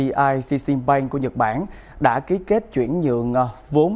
cpi shisei bank của nhật bản đã ký kết chuyển nhượng vốn